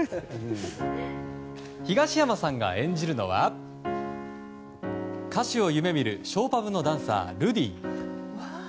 東山さんが演じるのは歌手を夢見るショーパブのダンサー、ルディ。